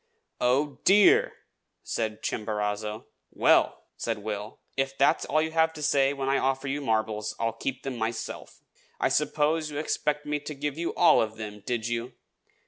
"Oh, DEAR!" said Chimborazo. "Well," said Will, "if that's all you have to say when I offer you marbles, I'll keep them myself. I suppose you expected me to give you all of them, did you?